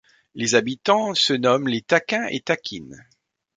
Les habitants se nomment les Taquins et Taquines.